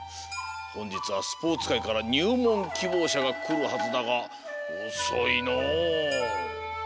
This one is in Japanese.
ほんじつはスポーツかいからにゅうもんきぼうしゃがくるはずだがおそいの。